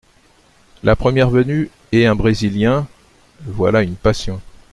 La première venue et un Brésilien… voilà une passion…